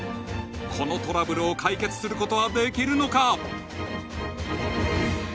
このトラブルを解決することはできるのか？